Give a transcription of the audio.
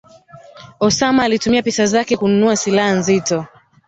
Osama alitumia pesa zake kununua silaha nzito